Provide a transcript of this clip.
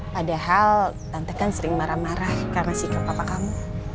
padahal tante kan sering marah marah karena sikap bapak kamu